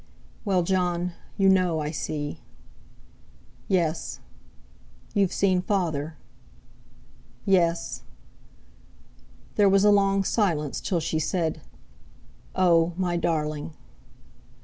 "Well, Jon, you know, I see." "Yes." "You've seen Father?" "Yes." There was a long silence, till she said: "Oh! my darling!"